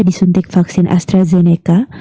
disuntik vaksin astrazeneca